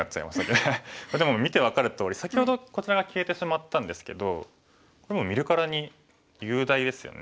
でも見て分かるとおり先ほどこちらが消えてしまったんですけどもう見るからに雄大ですよね。